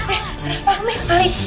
eh dafa ame ali tuh